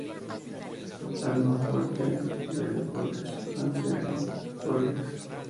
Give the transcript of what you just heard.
Almafuerte, J. L. Borges, Francia, J. L. Borges, Av.